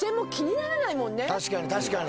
確かに確かに。